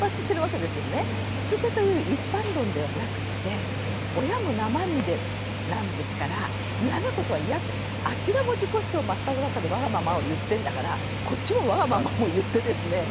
しつけという一般論ではなくって親も生身でなんですからイヤなことはイヤってあちらも自己主張真っただ中でわがままを言ってんだからこっちもわがままを言ってですね